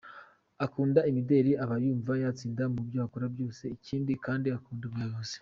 Akunda imideli, aba yumva yatsinda mu byo akora byose, ikindi kandi akunda ubuyobozi.